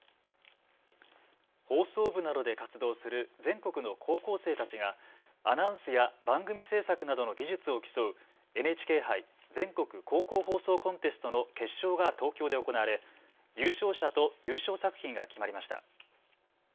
放送部などで活動する全国の高校生たちがアナウンスや番組制作などの技術を競うＮＨＫ杯全国高校放送コンテストの決勝が東京で行われ優勝者と優勝作品が決まりました。